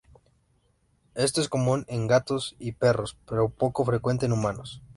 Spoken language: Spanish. Esto es común en gatos y perros, pero es poco frecuente en humanos.